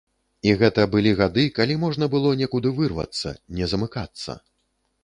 І гэта былі гады, калі можна было некуды вырвацца, не замыкацца.